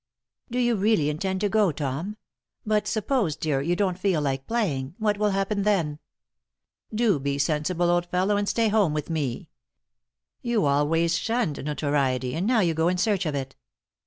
"Do you really intend to go, Tom? But suppose, dear, you don't feel like playing; what will happen then? Do be sensible, old fellow, and stay home with me. You always shunned notoriety and now you go in search of it.